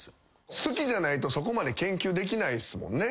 好きじゃないとそこまで研究できないっすもんね。